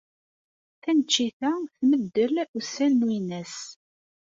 Taneččit-a tmeddel ussan n uynas.